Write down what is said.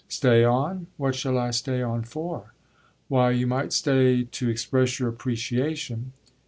"Stay on? What shall I stay on for?" "Why you might stay to express your appreciation."